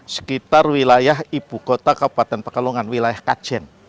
sekitar wilayah ibu kota kabupaten pekalongan wilayah kajen